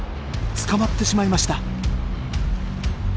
捕まってしまいました。